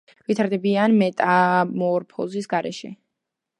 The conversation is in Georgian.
ვითარდებიან მეტამორფოზის გარეშე.